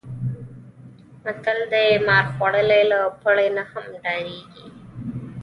متل دی: مار خوړلی له پړي نه هم ډارېږي.